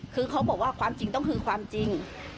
คือเขาบอกว่าความจริงต้องคือความจริง